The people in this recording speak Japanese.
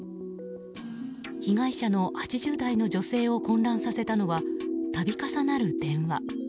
被害者の８０代の女性を混乱させたのは度重なる電話。